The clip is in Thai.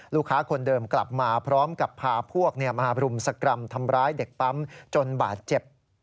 คนเดิมกลับมาพร้อมกับพาพวกมารุมสกรรมทำร้ายเด็กปั๊มจนบาดเจ็บ